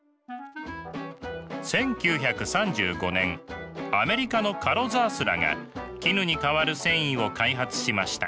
１９３５年アメリカのカロザースらが絹に代わる繊維を開発しました。